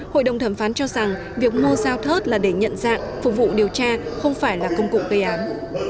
hội đồng thẩm phán cho rằng việc mua giao thớt là để nhận dạng phục vụ điều tra không phải là công cụ gây án